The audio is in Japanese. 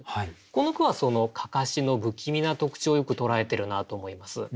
この句はその案山子の不気味な特徴をよく捉えてるなと思います。